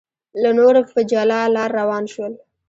له نورو په جلا لار روان شول.